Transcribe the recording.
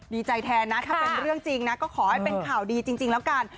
ดีใจแทนนะถ้าเป็นเรื่องจริงนะก็ขอให้เป็นข่าวดีจริงแล้วกัน